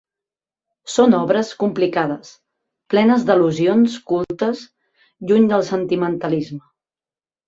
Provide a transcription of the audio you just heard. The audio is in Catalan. Són obres complicades, plenes d'al·lusions cultes, lluny del sentimentalisme.